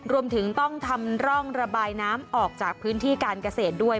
รวมถึงต้องทำร่องระบายน้ำออกจากพื้นที่การเกษตรด้วย